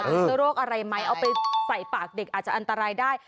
เชื้อโรคอะไรไหมเอาไปใส่ปากเด็กอาจจะอันตรายได้